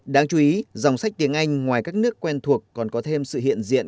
đáng chú ý dòng sách tiếng anh ngoài các nước quen thuộc còn có thêm sự hiện diện